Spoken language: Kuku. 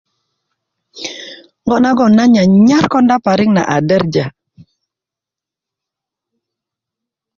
ŋo nagon nan nyanyar konda parik na a derja